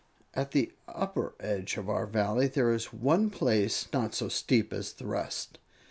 "At the upper edge of our Valley there is one place not so steep as the rest.